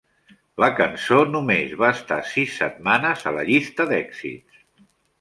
La cançó només va estar sis setmanes a la llista d'èxits.